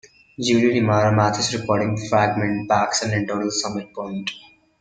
Julie Newmar, a Mathis-recording fragment backs an internal summit point.